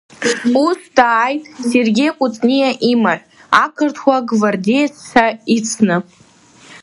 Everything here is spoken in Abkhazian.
Ус, дааит Сергеи Кәыҵниа имаҳә, ақырҭуа гвардееццәа ицны.